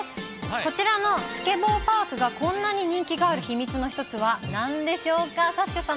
こちらのスケボーパークがこんなに人気がある秘密の一つは、なんでしょうか。